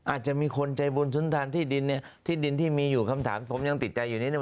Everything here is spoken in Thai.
อาจจะมีคนใจบุญสุนทานที่ดินเนี่ยที่ดินที่มีอยู่คำถามผมยังติดใจอยู่นี่